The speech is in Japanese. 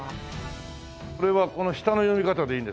これはこの下の読み方でいいんですか？